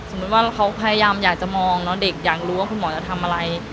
ว่าเขาพยายามอยากจะมองเนาะเด็กอยากรู้ว่าคุณหมอจะทำอะไร